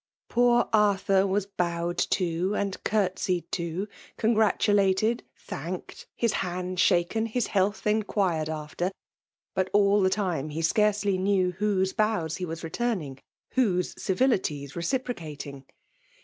Poor Arthur .^waa bowed to and curtsied to — congratulated ^ ^thanked— his hands shaken — his health iot* j^puxed after ; but, all the time, he scarody knew whose hows he was returning — whosb civilities reciprocating.